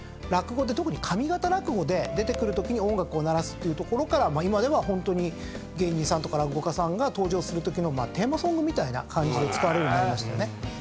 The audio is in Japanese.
特に上方落語で出てくるときに音楽を鳴らすっていうところから今ではホントに芸人さんとか落語家さんが登場するときのテーマソングみたいな感じで使われるようになりましたよね。